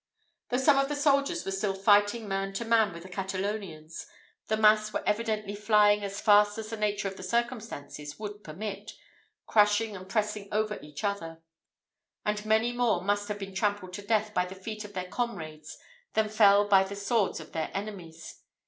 Though some of the soldiers were still fighting man to man with the Catalonians, the mass were evidently flying as fast as the nature of the circumstances would permit, crushing and pressing over each other; and many more must have been trampled to death by the feet of their comrades than fell by the swords of their enemies.